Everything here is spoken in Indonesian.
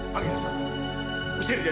panggil usir dia dari sini